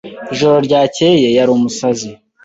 Ijoro ryakeye yari umusazi.